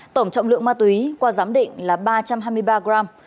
tổng trọng lượng ma túy qua giám định là ba trăm hai mươi ba gram